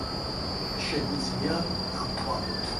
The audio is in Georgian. შეგვიძლია დავთვალოთ.